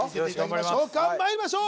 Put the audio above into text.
まいりましょう